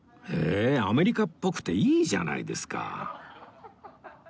ええアメリカっぽくていいじゃないですか